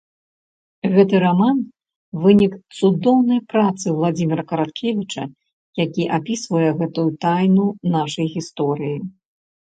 Гэты раман - вынік цудоўнай працы Уладзіміра Караткевіча, які апісвае гэтую тайну нашай гісторыі.